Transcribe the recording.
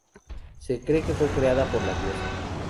Se cree que fue creada por la diosa.